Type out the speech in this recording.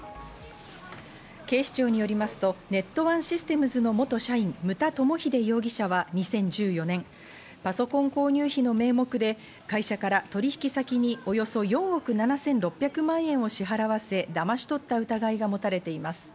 警視庁によりますと、ネットワンシステムズの元社員、牟田友英容疑者は、２０１４年、パソコン購入費の名目で会社から取引先におよそ４億７６００万円を支払わせ、だまし取った疑いが持たれています。